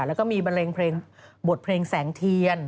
แล้วก็มีบันเลงเพลงบทเพลงแสงเทียน